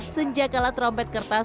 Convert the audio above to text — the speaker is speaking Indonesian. senjak kalah trompet kertas